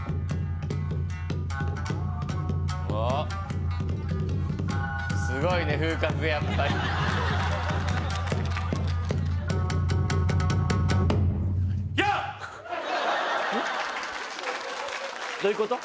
おおすごいね風格がやっぱりヤーッどういうこと？